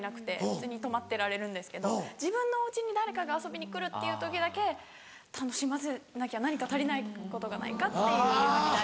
普通に止まってられるんですけど自分のお家に誰かが遊びに来るっていう時だけ楽しませなきゃ何か足りないことがないか？っていうようになっちゃう。